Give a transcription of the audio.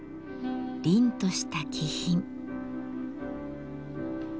りんとした気品。